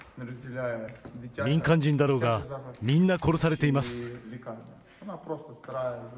民間人だろうが、みんな殺されています。